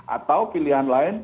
atau pilihan lain